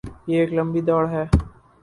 یہ ایک لمبی دوڑ ہے۔